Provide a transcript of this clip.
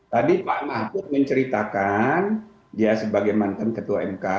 tadi pak mahfud menceritakan dia sebagai mantan ketua mk